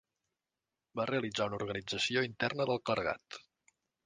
Va realitzar una organització interna del clergat.